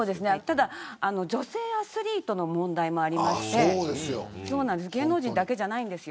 ただ女性アスリートの問題もありまして芸能人だけじゃないんです。